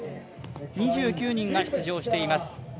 ２９人が出場しています。